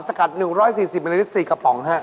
สกัด๑๔๐มิลลิตรสีกระป๋องนะครับ